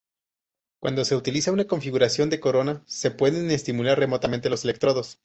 Cuando se utiliza una configuración de corona, se pueden estimular remotamente los electrodos.